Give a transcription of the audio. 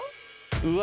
うわ